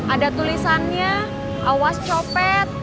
ada tulisannya awas copet